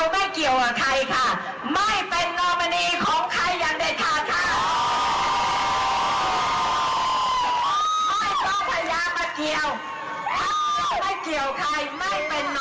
ไม่ต้องพญามาเกี่ยวถ้าไม่เกี่ยวใครไม่เป็นนอมินีของใคร